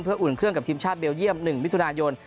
อุ่นเครื่องกับทีมชาติเบลเยี่ยม๑มิถุนายน